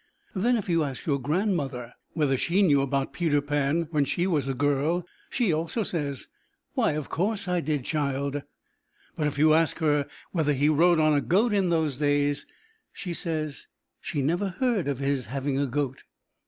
Then if you ask your grandmother whether she knew about Peter Pan when she was a girl, she also says, "Why, of course, I did, child," but if you ask her whether he rode on a goat in those days, she says she never heard of his having a goat.